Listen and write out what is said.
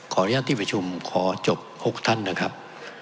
อนุญาตที่ประชุมขอจบ๖ท่านนะครับ